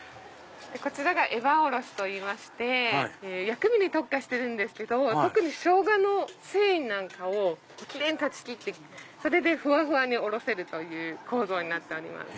こちらエバーおろしといいまして薬味に特化してるんですけど特にショウガの繊維をキレイに断ち切ってふわふわにおろせるという構造になっております。